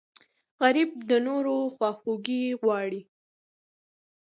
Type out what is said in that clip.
غریب د نورو خواخوږی غواړي